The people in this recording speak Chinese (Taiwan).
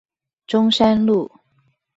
中山路